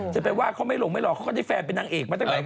จะไปว่าเขาไม่ลงไม่หรอกเขาก็ได้แฟนเป็นนางเอกมาตั้งหลาย